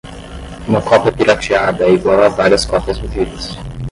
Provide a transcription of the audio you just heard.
Uma cópia "pirateada" é igual a várias cópias vendidas.